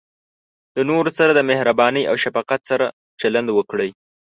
د نورو سره د مهربانۍ او شفقت سره چلند وکړئ.